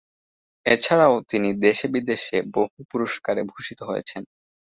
এছাড়াও তিনি দেশে-বিদেশে বহু পুরস্কারে ভূষিত হয়েছেন।